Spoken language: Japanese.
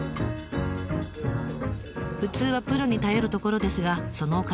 普通はプロに頼るところですがそのお金はない。